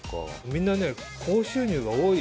みんなね高収入が多い。